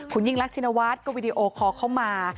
คุณยิ่งลักษณวาสก็วิดีโอคอล์เข้ามา